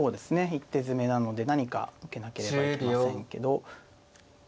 一手詰めなので何か受けなければいけませんけど。